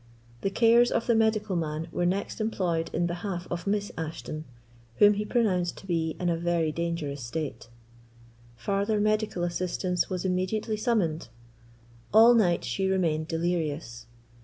The cares of the medical man were next employed in behalf of Miss Ashton, whom he pronounced to be in a very dangerous state. Farther medical assistance was immediately summoned. All night she remained delirious.